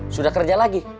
sudah kerja lagi